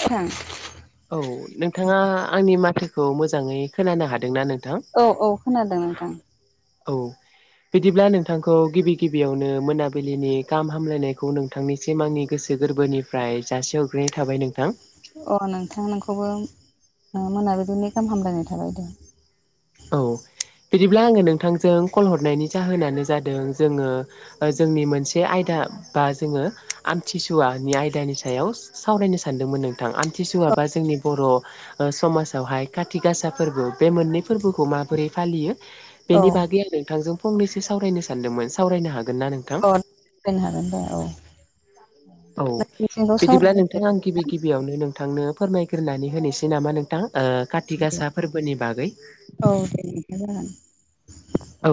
नोंथां औ नोंथांङा आंनि माथोखौ मोजांङै खोनानो हादोंना नोंथां औ औ खोनादों नोंथां औ बिदिब्ला नोंथांखौ गिबि गिबियावनो मोनाबिलिनि गाहाम हामलायनायखौ नों नोंथांनिसिम आंनि गोसो गोरबोनिफ्राय जासे हरग्रोनाय थाबाय नोंथां। अ नोंथां नोंखौबो नोंखौबो मोनाबोदिनो गाहाम हामलायनाय थाबाय। औ बिदिब्ला आंङो नोंथांजों कल हरनायनि जाहोनानो जादों जोंङो जोंनि मोनसे आयदा बा जोंङो आमथिसुवानि आयदानि सायाव सावरायनो सानदोंमोन नोंथां आमथिसुव बा जोंनि बर' समाजावहाय खाथि गासा फोरबो बे मोननै फोरखौ माबोरै फालियो औ बेनि बागै आं नोंथांजों फंनैसो सावरायनो सानदोंमोन सावरायनो हागोन ना नोंथां सावरायनो हागोन दे औ औ नोंसिनिखौ बिदिब्ला नों नोंथां सावराय आं गिबि गिबियावनो नोंथांनो फोरमायग्रोननानै होनोसै नामा नोंथां। कारति गासा फोरबोनि बागै। औ दे। [unintelligible] औ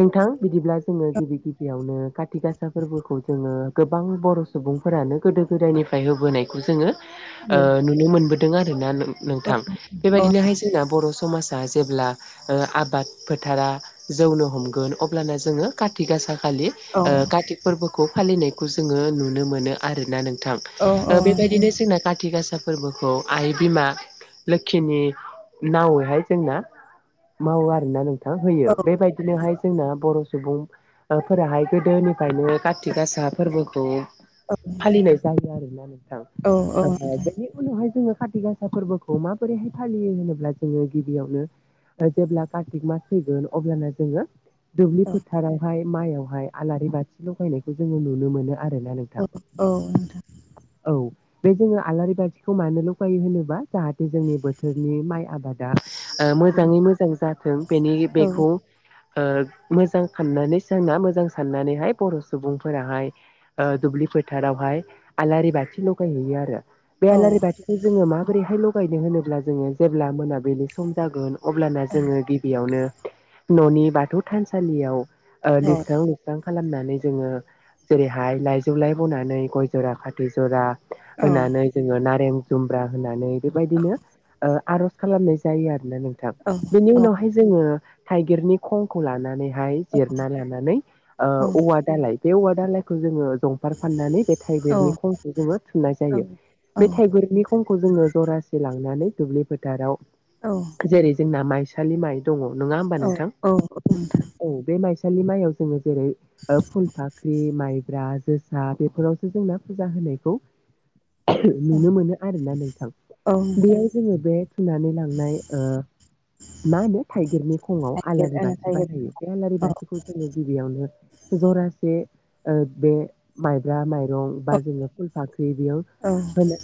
नोंथां बिदिब्ला जोंङो गिबि गिबियावनो खाथिगासा फिसा फोरबोखौ जोंङो गोबां बर' सुबुंफोरानो गोदो गोदायनिफ्राय होबोनाय जोंङो नुनो मोनबोदों आरोना नोंथां औ बेबायदिनोहाय जोंना बर' समाजा जेब्ला आबाद फोथारा जौनो हमगोन अब्लाना जोङो कार्ति गासा खालि औ ओ फोरबोखौ फालिनायखौ जोङो नुनो मोनो आरोना नोंौ औ औ बेबायदिनो जोंना कथि गासा फोरबोखौ आइ बिमा लोखिनि नावैहाय जोंना मावो आरोोना नोंथां होयो बेबायदिनोहाय जोंना बर' सुबुं फोराहाय गोदोनिफ्रायनो कातिक गासा फोरबोखौ फालिनाय जायो आरोोना नोंथां औ औ नोंथां बे उनावहाय जोङो खााथि गासा फोरबोखौ माबोरैहाय फालियो होनोब्ला जोङो गिबियावनो जेब्ला कार्तिक मास फैगोन अब्लानो जोङो दुब्लि फोथारावहाय माइयावहाय आलारि बाथि लगायनायखौ जोङो नुनो मोनो आरोना नों औ औ नोंथां। औ। बे जोङो आलारि बाथिखौ मानो लगायो होनोबा जाहाथे जोंनि बोथोरनि माइ आबाद दा ओ मोजाङै मोजां जाथों बेनि बेखौ ओ मोजां साननानै जोंना मोजां साननानैहाय बर' सुबुंफोराहाय ओ दुब्लि फोथारावहाय आलारि बाथि लगायहैयो आरो। बे औ आलारि बाथिखौ जोङो माबोरैहाय लगायनो होनोब्ला जोङो जेब्ला मोनाबिलि सम जागोन अब्लाना जोङो गिबियावनो न'नि बाथौ थानसालियाव लिरस्रां लो लोबस्रां खालामनानै जोङो जेरैहाय लाइजौलाय बनानै गय जरा फाथै जरा औ औ होनानै जोङो नारें जुम्ब्रा होनानै बेबायदिनो ओ आर'ज खालामनाय जायो आरोना नोंथां बेनि उनावहाय जोङो थाइगिरनि खंखौ लानानैहाय जिरना लानानै ओ औवा दालाय बे औवा दालायखौ जोङो जं फार फाननानै बे थाइगिरनि खंखौ जोङो थुनाय जायो बे थाइगिरनि खंखौ जोङो जरासे लांनानै दुब्लि फोथाराव औ। जेरै जोंना माइसालि माइ दङ नङा होमबा नोंथां? नोंथां औ बे माइसालि माइआव जोङो जेरै फुलफा ख्रि माइब्रा जोसा बेफोरावसो जोंना फुजा होनायखौ औ नुनो मोनो आरोना नोंथां औ नोंथां बेयाव जोङो बे थुनानै लांनाय ओ मा होनो थाइगिरनि खङाव आलारि थाइगिर बाथि थाइगिर बाहायो बे आलारि औ बाथिखौ जोङो गिबियावनो जरासे ओ बे माइब्रा माइरं बा जोङो फुल फाख्रि बेयाव औ होनो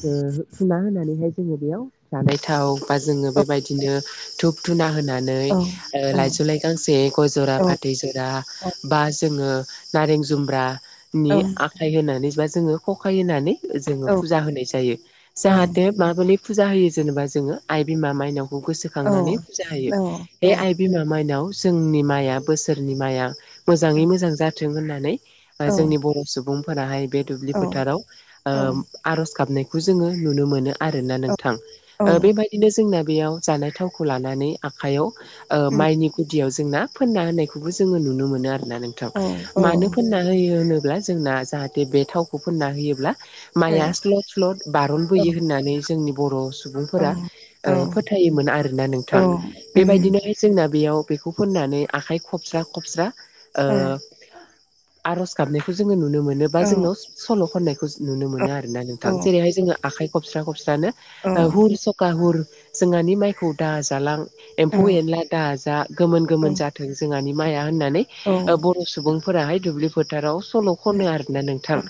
फुना होनानैहाय जोङो बेयाव जानाय थाव बा जोङो औ बेबायदिनो धुप धुना होनानै औ ओ खोनादों लाइजुलाइ गांसे गय जरा फाथै जरा औ बा जोङो नारें जुम्ब्रानि औ आखाइ होनानै बा जोङो खखाय होनानै जोङो औ फुजा होनाय जायो जाहाथे माबोरै फुजा होयो जेनेबा जोङो आइ बिमा माइनावखौ गोसोखांनानै औ फुजा होयो फोथायो बे आरो आं आइ बिमा माइनाव जोंनि माइया बोसोरनि माइआ मोजाङै मोजां जाथों होननानै जोंनि बर' सुबुंफोराहाय बे दुब्लि फोथाराव ओ आरज गाबनायखौ जोङो नुनो मोनो आरोना नोंथां ओ बेबायदिनो जोंना बेयाव जानाय थावखौ लानानै आखायाव ओ माइनि गुदियाव जोंना फोनना होननायखौबो जों नुनो मोनो आरोना नोंथां मानो फोनना होयो होनोब्ला जोंना जाहाथे बे थावखौ फोनना होयोब्ला माइआ स्ल स्लद बारनबोयो होननानै जोंनि बर' सुबुंफोरा ओ फोथायोमोन आरो। औ नोंथां औ बेबायदिनो ओमफ्राय जोंना बेयाव बेखौ फोननानै आखाइ खबस्रा खबस्रा ओ आर'ज गाबनायखौ जोङो नुनो मोनो बा जोंनाव सल' खननायखौ नुनो मोनो आरो। ना नोंथां जेरैहाय जोङो आखाइ खबस्रा खबस्रानो हुर सखा हुर जोंहानि माइखौ दाजालां एम्फौ एनला दाजा गोमोन गोमोन जाथों जोंहानि माइआ होननानै बर' सुबुंफोराहाय दुब्लि फोथाराव सल' खनो आरोना नोंथां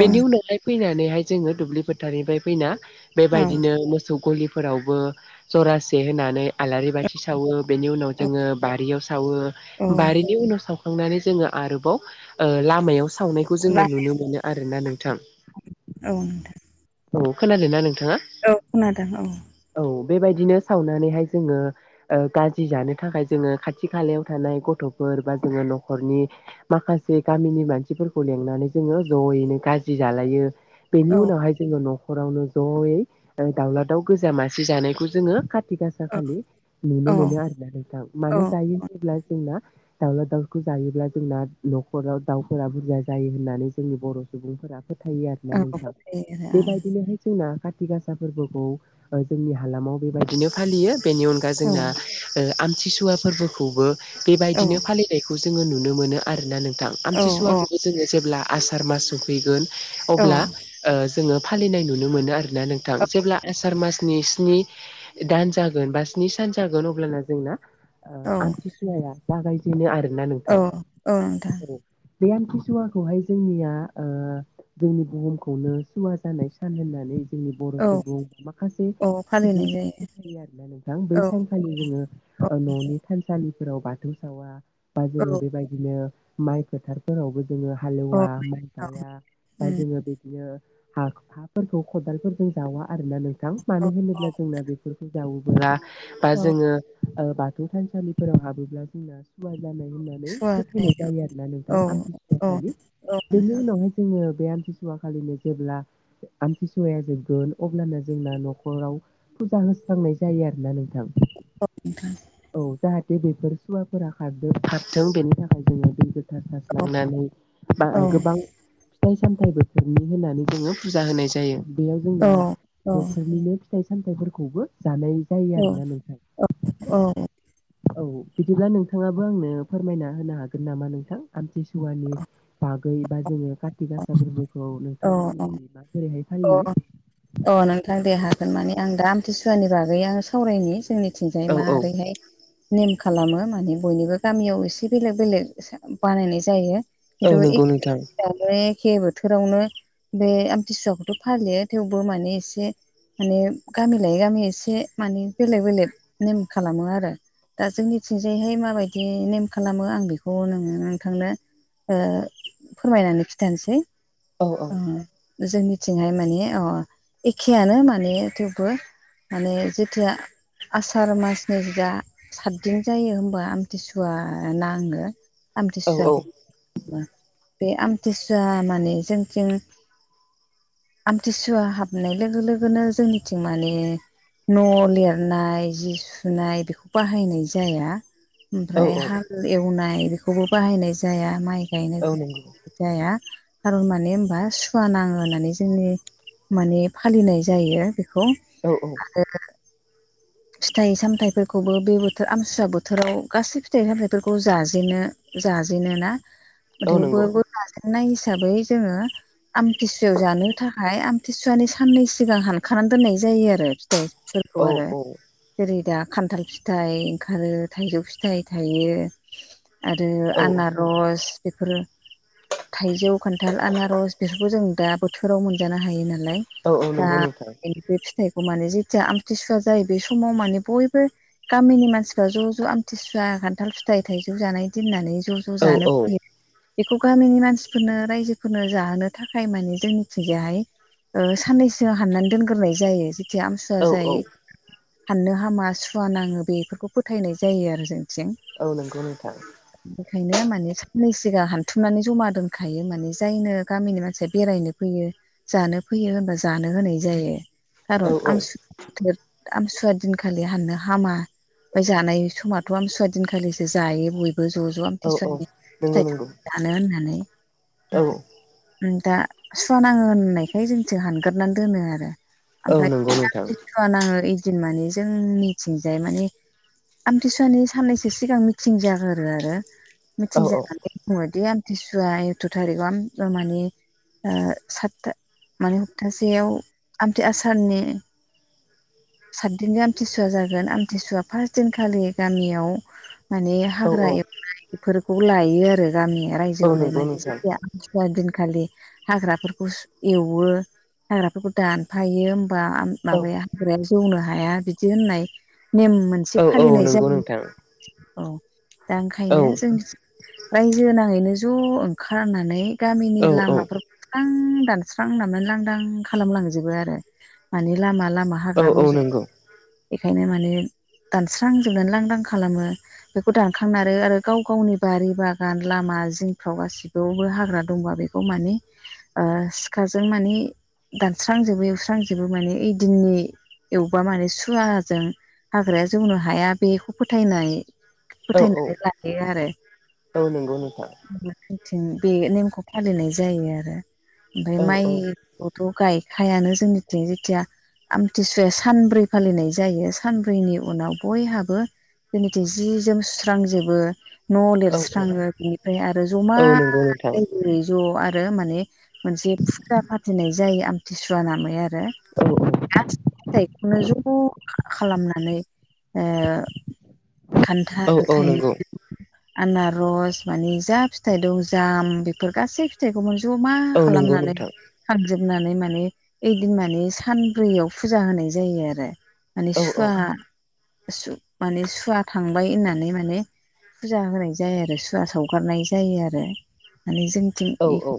बेनि उनावहाय फैनानैहाय जोङो दुब्लि फोथारनिफ्राय फैना बेबायदिनो मोसौ गलि फोरावबो जरासे होनानै आलारि बा थि सावो बेनि उनाव जोङो बारियाव सावो बारिनि उनाव साव खांनानै जोङो आरोबाव ओ लामायाव सावनायखौ जोङो नुनो मोनो आरोना नोंथां। औ नोंथां। औ खोनादों ना नोंथाङा? औ खोनादों औ। औ बेबायदिनो सावनानैहाय जोङो ओ गाजि जानो थाखाय जोङो खाथि खालायाव थानाय गथ'फोर बा जोङो न'खरनि माखासे गामिनि मानसिफोरखौ लेंनानै जोङो ज'यैनो गाजि जालायो बेनि उनावहाय जोङो न'खरावनो ज'यै ओ दाउला दाउ गोजा मासे जानायखौ जोङो खाथि खा [unintelligible] खालि नुनो मोनो आरो ना नोंथां मानो जायो होनब्ला जोंना दाउला दाउखौ जायोब्ला जोंना न'खराव दाउफोरा बुरजा जायो होननानै जोंनि बर' सुबुंफोरा फोथायो आर ना नोंथां? बेैहाय जोंना खााथि गासा फोरबोखौ जोंनि हालामाव बेबायदिनो फालियो बेनि अनगा जोंना ओ आमथिसुवा फोरबोखौबो बेबायदिनो फालि बेखौ जोङो नुनो मोनो आरो ना नोंथां आमथिसुवाखौबो जोङो जेब्ला आसार मास सफैगोन औ अब्ला ओ जोङो फालिनाय नुनो मोनो आरो ना नोंथां जेब्ला आसार मासनि स्नि दान जागोन बा स्नि सान जागोन अब्लाना जोंना ओ औ आमथिसुवाया जागायजेनो आरोना औ नोंथां? औ नोंथां बे आमथिसुवाखौहाय जोंनिया ओ जोंनि बुहुम खौनो सुवा जानाय सान होननानै जोंनि बर' औ सुबुं माखासे औ बि फालिनाय जायो फोथायो आरो ना नोंथां बै औ सानखालि जोङो औ न'नि थानसालिफोराव बाथौ सावा बा औ जोङो बेबायदिनो माइ फोथार फोरावबो जोङो औ हालेवा माइ गाया बा उम जोङो बे नो हा हाफोरखौ खदालफोर जों जावा आरो ना नोंथां मानो औ होनोब्ला औ जोंना बेफोरखौ जावोब्ला बा औ जोङो ओ बाथौ थानसालिफोराव हाबोब्ला जोंना सुवा जानाय होनना नै फोथायनाय जायो आरो ना औ नोंथां आमथिसुवा औ खालि बेनि नोंथां उनावहाय जोङो बे आमथि सुवाखालिनो जेब्ला आमथिसुवाया जोबगोन अब्लानो जोंना न'खराव फुजा होस्रांनाय जायो आरो ना नों थां नोंथां औ। जाहाथे बेफोर सुवाफोरा खारदो खारथों बेनि थाखाय जोङो दै औ सारस्रिनानै बा औ गोबां फिथाइ सामथाइबो बोथोरनि होननानै जोङो फुजा होनाय जायो बेयाव औ जोंना औ बोथोरनिनो फि थाइ सामथायफोरखौबो जानाय जायो आरो ना नोंथां। औ औ बिदिब्ला नोंथाङाबो आंनो फोरमायना होनो हागोन नामा नोंथां आमथिसुवानि बागै बा जोङो कारति गासा फोरबोखौ औ नोंथांमोननिथिं बा अ अ नोंथां दे हागोन मानि आं दा आमथिसुवानि बागै आङो सावरायनि जोंनि थिंजाय औ औ मारैहाय नेम खालामो माने बयनिबो गामियाव एसे बेलेग बेलेग इसे बानायनाय जायो। औ खिन्थु नंगौ नोंथां एखे एखे बोथोरावनो बे आमथिसुवाखौ फालियो थेवबो माने एसे माने गामि लायै गामि एसे मानि बेलेग बेलेक नेम खालामो आरो। दा जोंनिथिंजायहाय माबायदि नेम खालामो आं बेखौ नोंनो नोंथांनो ओ फोरमायनानै खिथानोसै औ औ ओ जोंनि थिंहाय माने ओ एखेयानो माने थेवबो माने जेथिया आसार मासनि जा सातदिन जायो होमबा आमथिसुवा नाङो। औ आमथिसुवाखौ बे आमथिसुवा माने जोंथिं आमथिसुवा हाबनाय लोगो लोगोनो जोंनिथिं माने न' लिरनाय जि सुनाय बेखौ बाहायनाय जाया औ ओमफ्राय हाल एवनाय बेखौबो बाहायनाय जाया माइ औ गायनायखौ नंगौ जाया खारन माने होनबा सुवा नाङो होननानै जोंनि माने फालिनाय जायो बेखौ औ औ आरो [inaudible] फिथाइ सामथायाइफोरखौबो बे बोथोर आमसुव बोथोराव गासै फिथाइ सामथायाइफोरखौ जाजेनो जाजेनो ना औ मथ नंगौ बयबो जाजेनन्नाय हिसाबै जोङो आमथिसु फिथौ जानो थाखाय आमथिसुवानि साननै सिगां हानखानानै दोननाय जायो आरो फिथाइफोर खौ औ आरो औ जेरै दा खान्थाल फिथाइ ओंखारो थाइजौ फिथाइ थायो आरो औ आनारस बेफोरो थाइजौ खान्थाल आनारस बेफोरखौ जों दा बोथोराव मोनजानो हायो नालाय औ दा नंगौ नोंथां बे फिथाइखौ माने जेथिया आमथिसुवा जायो बे समाव माने बयबो गामिनि मानसिफ्रा ज' ज' आमथिसुवा खान्थाल फिथाइ थाइजौ जानाय दोननानै ज' ज' ज औ जानो औ फैयो बेखौ गामिनि मानसिफोरनो रायजोफोरनो जाहोनो था खाय मानि जोंनिखिजाहाय साननैसो हाननानै दोनग्रोनाय जायो थि आमसुवा औ जायो फाननो हामा सुवा नाङो बेफोरखौ फोथायनाय जायो आरो जोंथिं औ नंगौ नोंथां बेनिखायनो माने साननै सिगां हानथुमनानै जमा दोनखायो माने जायनो गामिनि मानसिया बेरायनो फैयो जानो फैयो होनबा जानो होनाय जायो औ खारन औ आमसु बोथोर आमसुवा दिनखालि हाननो हामा ओमफ्राय जानाय समाथ' आम सुवादिनखालिसो जायो बयबो ज' ज' औ औ आमथिसुवानि नंगौ फिथाइ नंगौ साम जानो होननानै औ ओम दा सुवा नाङो होननायखाय जोंथिं हानगारनानै दोनो आरो औ ओमफ्राय नंगौ नोंथां [inaudible] सुवा नाङो एदिन माने जों जोंनिथिंजाय माने आमथिसुवानि साननैसो सिगां मिथिं जागोरो आरो औ मिथिंजानानै बुङोदि आमथिसुवा एकथ' थारिखाव आमथिसुवा मानि सातथा माने सप्तासेयाव आमथि आसारनि सातदिननि आमथिसुवा जागोन आमथिसुवा फार्त दिनखालि गामियाव माने औ हाग्रा औ एवनाय बेफोरखौ लायो आरो गामिया रायजो औ हलाय नंगौ माने नोंथां जेखिया दिनखालि हाग्राफोरखौ एवो हाग्राफोरखौ दानफायो बा औ माबाया हाग्राया जौनो हाया बिदि होननाय नेम मोन एसे औ औ फालिनाय नंगौ जायो नोंथां औ दा औ ओंखायनो जोंनिथिं रायजो नाङैनो ज' ओंखारनानै गामिनि औ औ लामा बस्रां दानस्रां लांदां खालामलांजोबो आरो माने लामा लामा औ हाग्रा औ रजायो नंगौ बेखायनो माने दानस्रां जोब दानलांदां खालामो बेखौ दानखां आरो आरो गाव गावनि बारि बागान लामा जिंफ्राव गासिावबो हाग्रा दंबा बेखौ बेखौ माने सिखाराजों माने दानस्रांजोबो एवस्रांजोबो माने ओइ दिननि एवबा माने सुवाजों हाग्राया जौनो हाया बेखौ फोथायनाय औ औ फोथायनानै लायो आरो औ नंगौ नोंथां थिं बे नेमखौ फालिनाय जायो आरो ओमफ्राय औ माइ औ बोथ' गायखायानो जोंनिफ्राय जेथिया आमथिसुवाया सानब्रै फालिनाय जायो सानब्रैनि उनाव बयहाबो जेनाखि जि जोम सुस्रांजोबो न' औ औ लिरस्राङो बिनिफ्राय आरो जमा औ नंगौ नोंथां राइजोयै ज' आरो माने मोनसे फुजा फाथिनाय जायो आमथिसुवा नामै आ रो औ दा फिथाइखौनो ज' खौ खालामनानै ओ औ खान्थाल औ थाइ नंगौ आनारस मानि जा फिथाइ दं जाम बेफोर गासै फिथाइखौ बो ज'मा औ नंगौ खालामनानै नोंथां हाबजोबनानै माने ओइदिन माने सानब्रैयाव फुजा होनाय जायो आरो। माने औ सुवा सु माने सुवा थांबाय होननानै माने फुजा होनाय जाया आरो सुवा सावगारनाय जायो आरो माने जोंथिं औ औ इ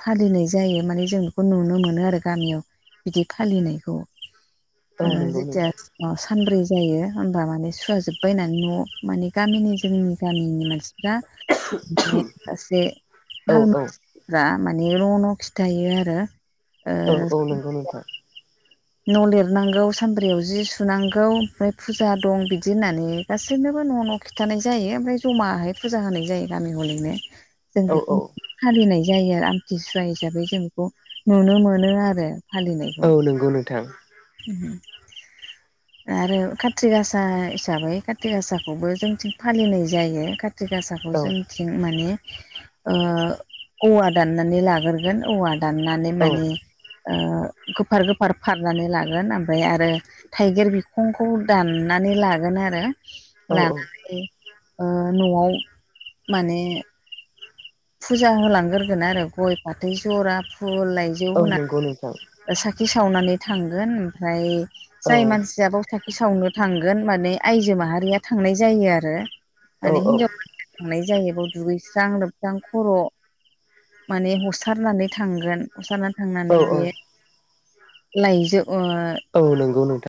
फालिनाय जायो माने जों बेखौ नुनो मोनो आरो गामियाव बिदि फालिनायखौ औ ओ नंगौ जिथिया नोंथां अ सानब्रै जायो होमबा माने सुवाजोबबायनानै न' माने गामिनि जोंनि गामिनि मानसि औ [inaudible] फ्रा माने न' न' खिथायो आरो। औ ओ औ नंगौ नोंथां। न' लिरनांगौ सानब्रैयाव जि सुनांगौ ओमफ्राय फुजा दं बिदि होननानै गासैनोबो न' न' खिन्थानाय जायो ओमफ्राय जमाहै फुजा होनाय जायो गामि हलैनो। जों औ औ बेखौ फालिनाय जायो आमतिसुवा हिसाबै जों बेखौ नुनो मोनो आरो। फालिनायखौ औ नंगौ नोंथां। [unintelligible] [inaudible] आरो काति गासा हिसाबै काति गासाखौबो जोंथिं फालिनाय जायो। का थिगासाखौ औ जों थिं माने ओ औवा दनानै लागोरगोन औवा दाना नै औ माने ओ गोफार गोफार फारनानै लागोन ओमफ्राय आरो थाइगिर बिखंखौ दाननानै लागोन आरो। लानानै ओ न'आव माने फुजा होलांग्रोगोन आरो गय फाथै जरा फुल लाइ औ नंगौ नोंथां। साखि सावनानै थांगोन ओमफ्राय औ जाय मानसिया बाव सा सावनो थांगोन माने आयजो माहारिया थांनाय जायो आरो माने औ हिनजाव थांनाय जायो बेव दुगैस्रां लोब दां खर' माने हसारनानै थांगोन हसारनानै थांनानै औ बे लायजो ओ औ नंगौ नोंथां।